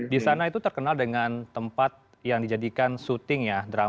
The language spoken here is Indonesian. di sana itu terkenal dengan tempat yang dijadikan sutradara